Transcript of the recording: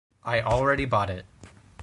I already bought it.